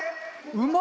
うま！